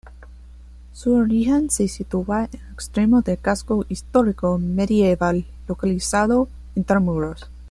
Su origen se sitúa en un extremo del casco histórico medieval, localizado intramuros.